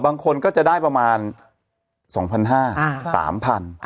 บางคนก็จะได้ประมาณ๒๕๐๐๓๐๐บาท